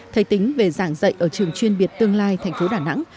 thầy tính về dạng dạy ở trường chuyên biệt tương lai thành phố đà nẵng